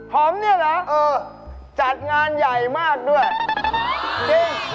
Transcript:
ผมเนี่ยนะเออจัดงานใหญ่มากด้วยจริง